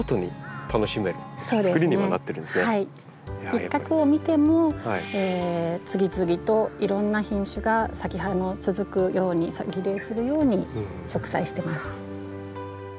一画を見ても次々といろんな品種が続くようにリレーするように植栽してます。